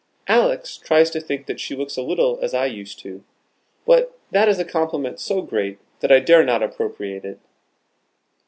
Alex tries to think that she looks a little as I used to. But that is a compliment so great, that I dare not appropriate it."